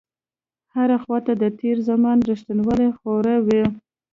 هره خواته د تېر زمان رښتينولۍ خوره وه.